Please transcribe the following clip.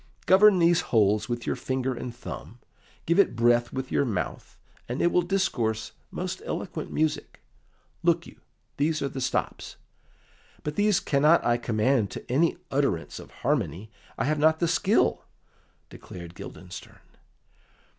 "Govern these holes with your finger and thumb, give it breath with your mouth, and it will discourse most eloquent music. Look you, these are the stops." "But these cannot I command to any utterance of harmony; I have not the skill," declared Guildenstern.